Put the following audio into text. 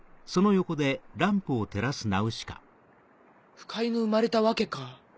腐海の生まれた訳か。